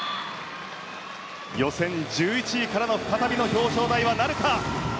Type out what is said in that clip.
予選１１位からの再びの表彰台はなるか。